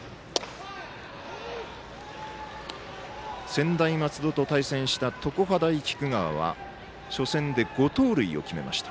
専大松戸と対戦した常葉大菊川は初戦で５盗塁を決めました。